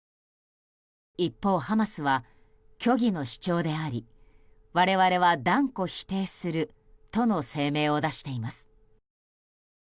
一方、ハマスは虚偽の主張であり我々は断固否定するとの声明を出しています。